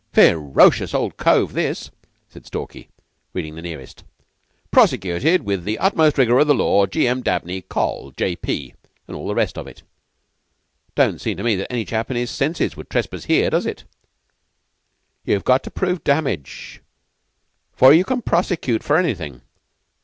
"Fee rocious old cove, this," said Stalky, reading the nearest. "'Prosecuted with the utmost rigour of the law. G. M. Dabney, Col., J.P.,' an' all the rest of it. 'Don't seem to me that any chap in his senses would trespass here, does it?" "You've got to prove damage 'fore you can prosecute for anything!